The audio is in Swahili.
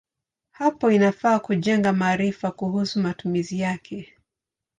Hapo inafaa kujenga maarifa kuhusu matumizi yake.